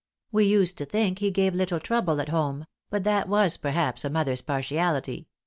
We used to think he gave little trouble at home; but that was, perhaps, a mother's partiality.